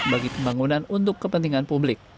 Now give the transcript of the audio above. bagi pembangunan untuk kepentingan publik